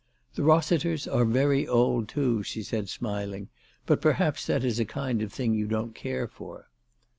" The Eossiters are very old, too," she said smiling; "but perhaps that is a kind of thing you don't care for."